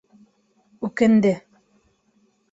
Үкенде.